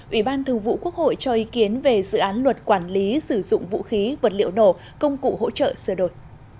ủy ban thường vụ quốc hội cho ý kiến về dự án luật quản lý sử dụng vũ khí vật liệu nổ công cụ hỗ trợ sửa đổi